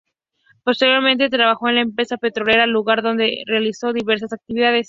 Posteriormente trabajó en la empresa petrolera, lugar donde realizó diversas actividades.